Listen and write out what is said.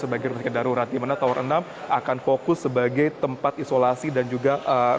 baik dari bagaimana